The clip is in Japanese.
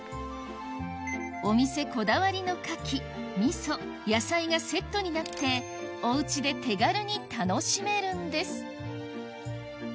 お店こだわりの牡蠣味噌野菜がセットになってお家で手軽に楽しめるんです